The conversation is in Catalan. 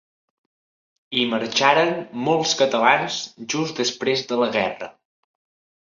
Hi marxaren molts catalans just després de la guerra.